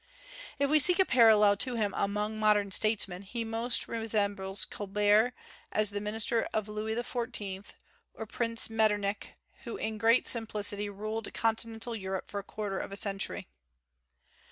If we seek a parallel to him among modern statesmen, he most resembles Colbert as the minister of Louis XIV.; or Prince Metternich, who in great simplicity ruled Continental Europe for a quarter of a century.